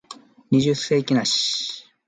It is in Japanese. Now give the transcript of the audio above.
二十世紀梨